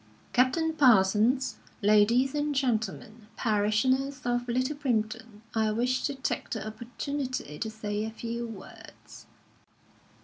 "Captain Parsons, ladies and gentlemen, parishioners of Little Primpton, I wish to take the opportunity to say a few words."